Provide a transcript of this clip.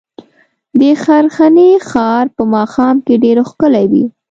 د ښرنې ښار په ماښام کې ډېر ښکلی وي.